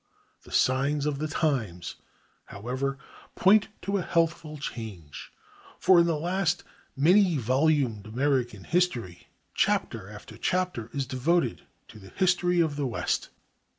The signs of the times, however, point to a healthful change; for in the last many volumed American history, chapter after chapter is devoted to the history of the West.